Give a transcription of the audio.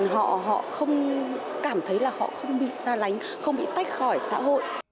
họ không cảm thấy là họ không bị xa lánh không bị tách khỏi xã hội